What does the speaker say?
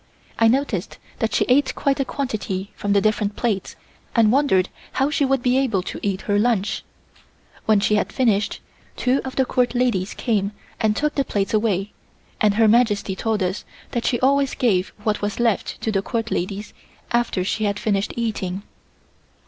I noticed that she ate quite a quantity from the different plates and wondered how she would be able to eat her lunch. When she had finished, two of the Court ladies came and took the plates away and Her Majesty told us that she always gave what was left to the Court ladies after she had finished eating.